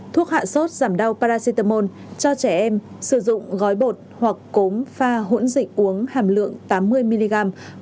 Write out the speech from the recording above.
thuốc hạ sốt giảm đau paracetamol cho trẻ em sử dụng gói bột hoặc cốm pha hỗn dịch uống hàm lượng tám mươi mg